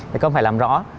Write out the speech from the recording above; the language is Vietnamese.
thì không phải làm rõ